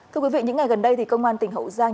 thưa quý vị những ngày gần đây thì công an tỉnh hậu giang